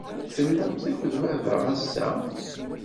Tellamt akked baba ass-a?